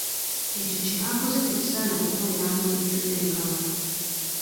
Ekyo kye baakoze tekisaana kukolera mu lujjudde nga wano.